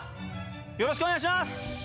よろしくお願いします！」。